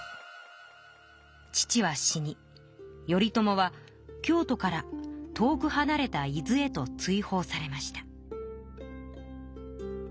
父は死に頼朝は京都から遠くはなれた伊豆へと追放されました。